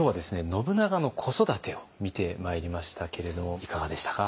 信長の子育てを見てまいりましたけれどいかがでしたか。